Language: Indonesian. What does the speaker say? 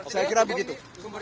saya kira begitu